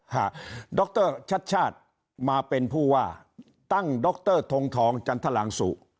ฮะดรชัดชาติมาเป็นผู้ว่าตั้งดรทงทองจันทรางสุ